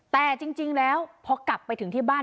แต่จริงแล้วพอกลับไปถึงที่บ้าน